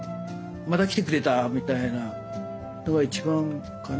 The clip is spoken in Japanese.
また来てくれたみたいなのが一番かな。